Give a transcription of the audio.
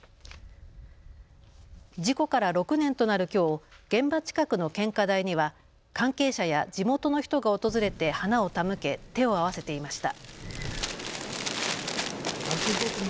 事故から６年となるきょう、現場近くの献花台には関係者や地元の人が訪れて花を手向け手を合わせていました。